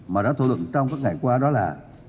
mà đã thủ luận trong các ngày qua đó là